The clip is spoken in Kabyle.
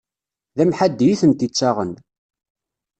D amḥaddi i tent-ittaɣen.